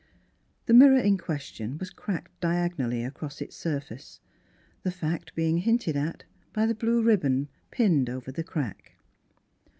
The mirror in question was cracked diag onally across its surface, the fact being hinted at by the blue ribbon pinned over the crack.